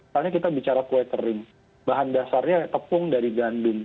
misalnya kita bicara kue kering bahan dasarnya tepung dari gandum